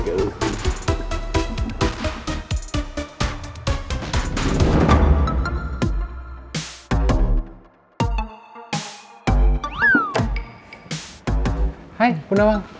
hai bunda bang